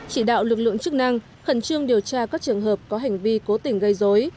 chỉ đạo lực lượng chức năng khẩn trương điều tra các trường hợp có hành vi cố tình gây dối